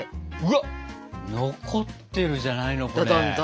わっ残ってるじゃないのこれ。